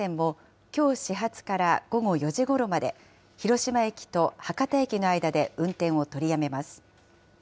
山陽新幹線もきょう始発から午後４時ごろまで、広島駅と博多駅の間で運転を取りやめます。